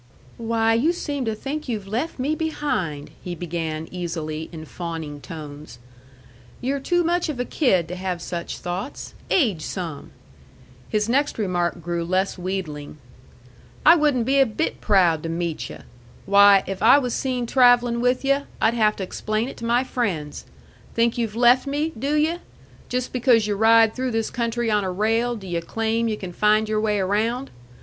"Why, you seem to think you've left me behind," he began easily, in fawning tones. "You're too much of a kid to have such thoughts. Age some." His next remark grew less wheedling. "I wouldn't be a bit proud to meet yu'. Why, if I was seen travellin' with yu', I'd have to explain it to my friends! Think you've got me left, do yu'? Just because yu' ride through this country on a rail, do yu' claim yu' can find your way around?